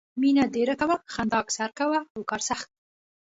مینه ډېره کوه، خندا اکثر کوه او کار سخت.